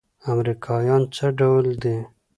امريکايان څه ډول دي؟